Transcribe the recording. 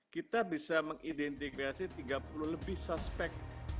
kita bisa mengidentifikasi tiga puluh lebih suspek